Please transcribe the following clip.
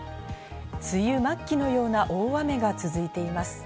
梅雨末期のような大雨が続いています。